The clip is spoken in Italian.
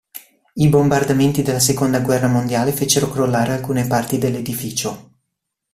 I bombardamenti della Seconda guerra mondiale fecero crollare alcune parti dell'edificio.